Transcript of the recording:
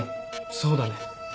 そうだね。